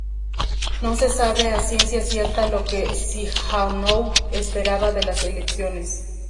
No se sabe a ciencia cierta lo que Sihanouk esperaba de las elecciones.